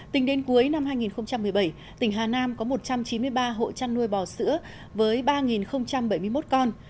tính đến cuối năm hai nghìn một mươi bảy tỉnh hà nam có một trăm chín mươi ba hộ chăn nuôi bò sữa với ba bảy mươi một con